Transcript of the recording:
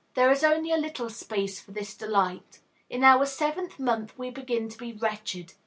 There is only a little space for this delight. In our seventh month we begin to be wretched.